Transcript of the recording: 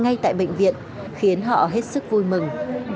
ngay tại bệnh viện khiến họ hết sức vui mừng